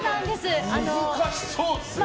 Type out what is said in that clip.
難しそうですね。